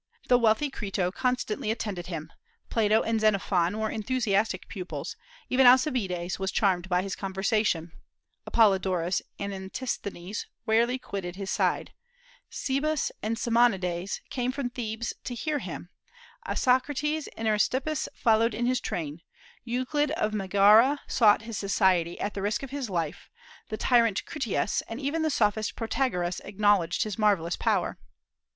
The wealthy Crito constantly attended him; Plato and Xenophon were enthusiastic pupils; even Alcibiades was charmed by his conversation; Apollodorus and Antisthenes rarely quitted his side; Cebes and Simonides came from Thebes to hear him; Isocrates and Aristippus followed in his train; Euclid of Megara sought his society, at the risk of his life; the tyrant Critias, and even the Sophist Protagoras, acknowledged his marvellous power.